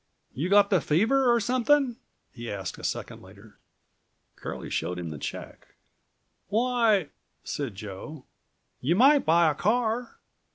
"You got the fever or something?" he asked a second later. Curlie showed him the check. "Why," said Joe, "you might buy a car."